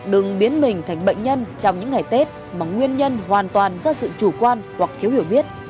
đừng biến mình thành bệnh nhân trong những ngày tết mà nguyên nhân hoàn toàn do sự chủ quan hoặc thiếu hiểu biết